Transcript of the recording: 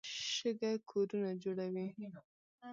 شګه کورونه جوړوي.